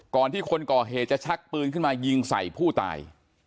ที่คนก่อเหตุจะชักปืนขึ้นมายิงใส่ผู้ตาย